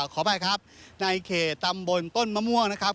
ขออภัยครับในเขตตำบลต้นมะม่วงนะครับ